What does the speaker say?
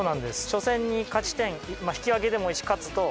初戦に勝ち点引き分けでもいいし勝つと。